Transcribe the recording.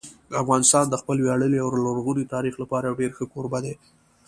افغانستان د خپل ویاړلي او لرغوني تاریخ لپاره یو ډېر ښه کوربه دی.